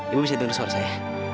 ibu bisa dengar suara saya